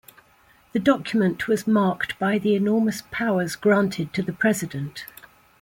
The document was marked by the enormous powers granted to the president.